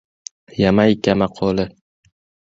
Yamayka maqoli